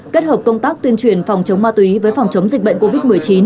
kết hợp công tác tuyên truyền phòng chống ma túy với phòng chống dịch bệnh covid một mươi chín